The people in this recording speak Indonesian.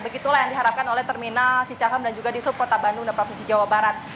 begitulah yang diharapkan oleh terminal cicahem dan juga di subkota bandung dan provinsi jawa barat